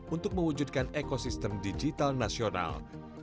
untuk mewujudkan ekosistem digital nasional